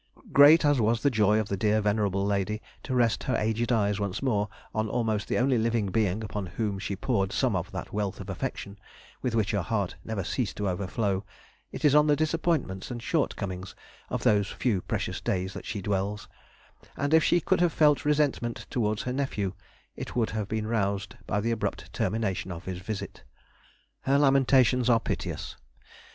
Great as was the joy of the dear venerable lady to rest her aged eyes once more on almost the only living being upon whom she poured some of that wealth of affection with which her heart never ceased to overflow, it is on the disappointments and shortcomings of those few precious days that she dwells; and, if she could have felt resentment towards her nephew, it would have been roused by the abrupt termination of his visit. Her lamentations are piteous.